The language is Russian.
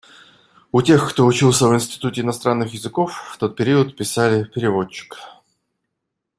У тех, кто учился в Институте иностранных языков в тот период писали «переводчик».